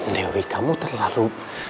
dewi kamu terlalu